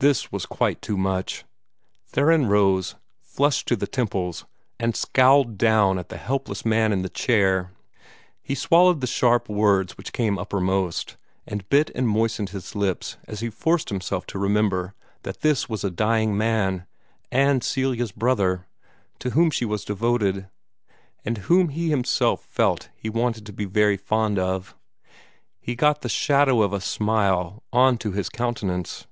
This was quite too much. Theron rose, flushed to the temples, and scowled down at the helpless man in the chair. He swallowed the sharp words which came uppermost, and bit and moistened his lips as he forced himself to remember that this was a dying man, and Celia's brother, to whom she was devoted, and whom he himself felt he wanted to be very fond of. He got the shadow of a smile on to his countenance.